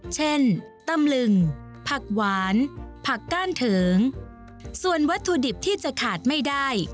เช่นตำลึงผักหวานผักก้านเถิงส่วนวัตถุดิบที่จะขาดไม่ได้